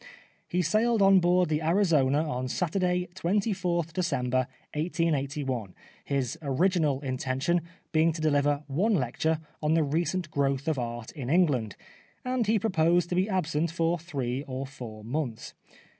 He sailed on board the Arizona on Saturday, 24th December 1881, his original intention being to dehver one lecture on the " Recent Growth of Art in England," and he proposed to be absent for three or four months.